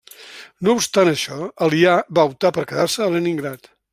No obstant això, Alià va optar per quedar-se a Leningrad.